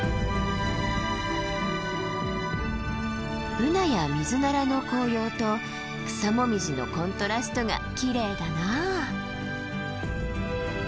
ブナやミズナラの紅葉と草紅葉のコントラストがきれいだなあ。